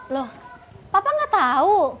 loh papa gak tau